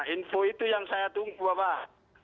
info itu yang saya tunggu bapak